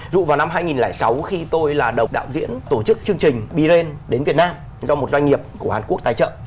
dụ vào năm hai nghìn sáu khi tôi là độc đạo diễn tổ chức chương trình brent đến việt nam do một doanh nghiệp của hàn quốc tài trợ